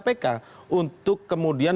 bagi kpk untuk kemudian